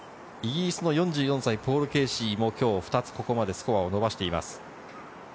イギリスの４４歳、ポール・ケーシーも２つスコアを伸ばしています。